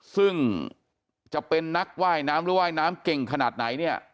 ซึ่งจะเป็นนักว่ายน้ำหรือว่ายน้ำเก่งขนาดไหนเนี่ย